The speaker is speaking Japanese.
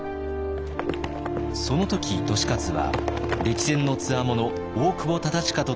その時利勝は歴戦のつわもの大久保忠隣と共に秀忠を守り